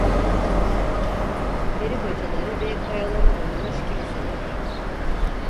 Peribacaları ve kayalara oyulmuş kiliseler.